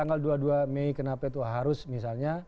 soalnya ada biasanya meniru sama banyak kemas okasinya